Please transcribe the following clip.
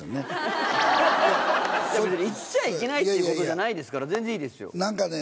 行っちゃいけないってことじゃないですから全然いいですよ。何かね。